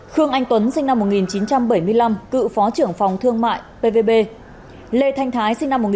khương anh tuấn sinh năm một nghìn chín trăm bảy mươi năm cựu phó trưởng phòng thương mại pvb lê thanh thái sinh năm một nghìn chín trăm tám mươi